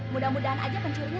mudah mudahan aja pencuri